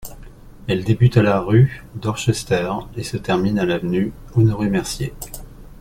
Elle débute à la rue Dorchester et se termine à l'avenue Honoré-Mercier.